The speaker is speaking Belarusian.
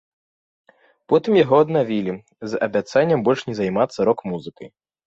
Потым яго аднавілі з абяцаннем больш не займацца рок-музыкай.